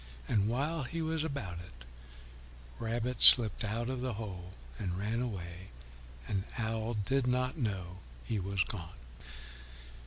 And while he was about it, Rabbit slipped out of the hole and ran away, and Owl did not know he was gone.